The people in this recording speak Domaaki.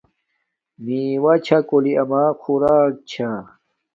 میوہ چھا کولی اما خوراک چھا